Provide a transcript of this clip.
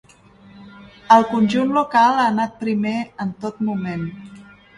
El conjunt local ha anat primer en tot moment.